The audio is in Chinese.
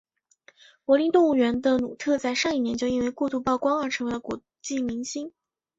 柏林动物园的努特在上一年就因为过度曝光而成为了国际明星。